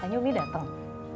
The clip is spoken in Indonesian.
katanya umi dateng